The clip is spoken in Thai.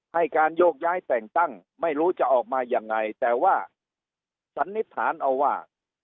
ให้การโยกย้ายแต่งตั้งไม่รู้จะออกมายังไงแต่ว่าสันนิษฐานเอาว่า